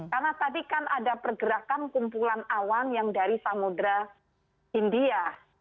karena tadi kan ada pergerakan kumpulan awan yang dari samudera india